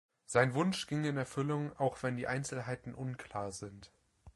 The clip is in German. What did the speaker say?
Sein Wunsch ging in Erfüllung, auch wenn die Einzelheiten unklar sind.